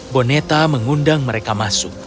bonetta mengundang mereka masuk